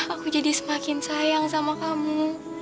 aku jadi semakin sayang sama kamu